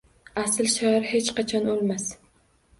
Asl shoir hech qachon oʻlmas.